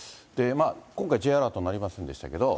今回、Ｊアラート鳴りませんでしたけれども。